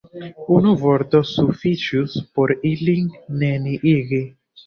Unu vorto sufiĉus por ilin neniigi.